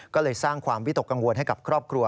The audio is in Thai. ก็เลยสร้างความวิตกกังวลให้กับครอบครัว